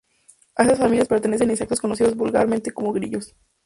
A esta familia pertenecen insectos conocidos vulgarmente como grillos.